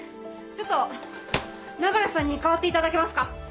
ちょっとナガレさんに代わっていただけますか！